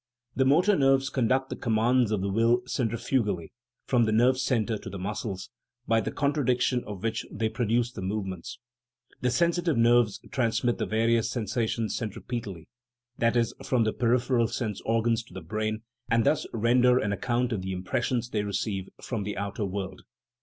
The motor nerves conduct the commands of the will centrif ugally from the nerve centre to the muscles, by the contraction of which they produce the movements : the sensitive nerves trans mit the various sensations centripetally that is, from the peripheral sense organs to the brain, and thus ren der an account of the impressions they receive from the outer world.